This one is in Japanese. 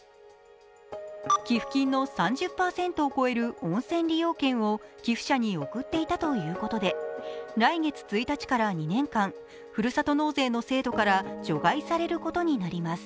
寄付金の３０％を超える温泉利用権を寄付者に送っていたということで来月１日から２年間ふるさと納税の制度から除外されることになります。